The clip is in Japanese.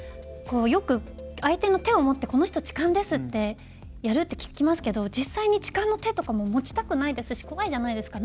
よく相手の手を持って「この人、痴漢です！」ってやるって聞きますけど実際に痴漢の手とかも持ちたくないですし怖いじゃないですか。